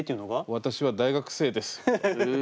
「私は大学生です」。